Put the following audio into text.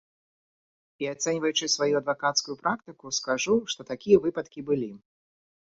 І, ацэньваючы сваю адвакацкую практыку, скажу, што такія выпадкі былі.